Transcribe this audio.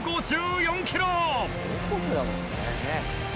高校生だもんね。